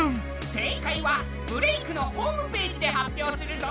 正解は「ブレイクッ！」のホームページで発表するぞ。